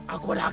aku ada akal